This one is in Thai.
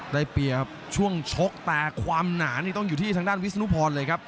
ได้เปรียบช่วงชกแต่ความหนานี่ต้องอยู่ที่ทางด้านวิศนุพรเลยครับ